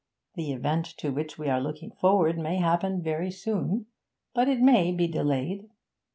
The event to which we are looking forward may happen very soon; but it may be delayed.